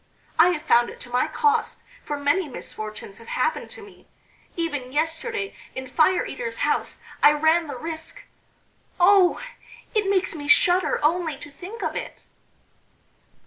I have found it to my cost, for many misfortunes have happened to me. Even yesterday in Fire eater's house I ran the risk.... Oh! it makes me shudder only to think of it."